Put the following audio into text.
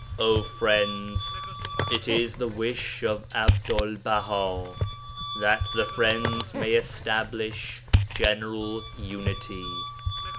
Oh friends, it is the wish of Abdul Baha that the Friends may establish general unity.